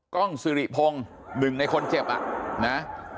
กล้องสิริพงศ์๑ในคนเจ็บนะ